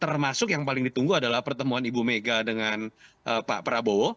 termasuk yang paling ditunggu adalah pertemuan ibu mega dengan pak prabowo